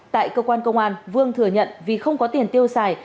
tại cơ quan công an vương thừa nhận vì không có tiền tiêu xài